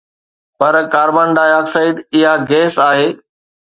پر carbon dioxide اها gas آهي